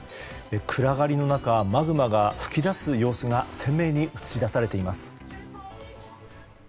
暗がりの中マグマが噴き出す様子が鮮明に映し出されています。